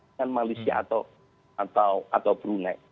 dengan malaysia atau brunei